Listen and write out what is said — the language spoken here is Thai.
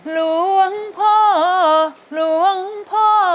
หลวงพ่อหลวงพ่อ